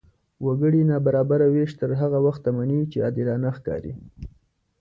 وګړي نابرابره وېش تر هغه وخته مني، چې عادلانه ښکاري.